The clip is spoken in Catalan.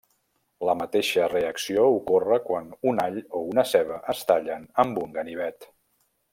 La mateixa reacció ocorre quan un all o una ceba es tallen amb un ganivet.